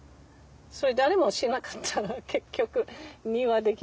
それ誰もしなかったら結局庭できない。